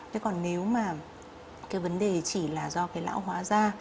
thế còn nếu mà cái vấn đề chỉ là do cái lão hóa da